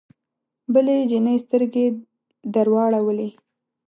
بلې جینۍ سترګې درواړولې